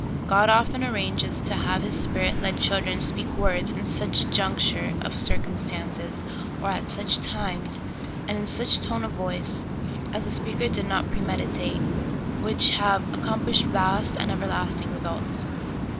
God often arranges to have His Spirit led children speak words in such a juncture of circum 1 8 SOUL FOOD.. Stances, or at such times, and in such a tone of voice, as the speaker did not premeditate, which have accom plished vast and everlasting results.